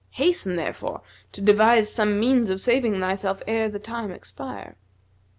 Hasten, therefore, to devise some means of saving thyself ere the time expire."